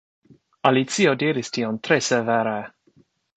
Alicio diris tion tre severe.